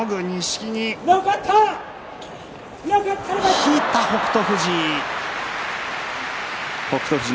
引いた北勝富士。